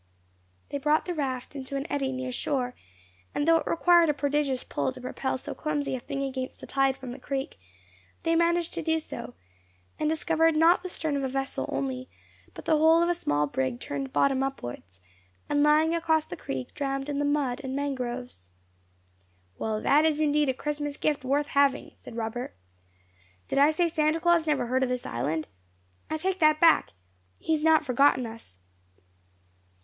They brought the raft into an eddy near shore, and though it required a prodigious pull to propel so clumsy a thing against the tide from the creek, they managed to do so, and discovered not the stern of a vessel only, but the whole of a small brig turned bottom upwards, and lying across the creek jammed in the mud and mangroves. "Well, that is indeed a Christmas gift worth having," said Robert. "Did I say Santa Claus never heard of this island? I take that back; he has not forgotten us."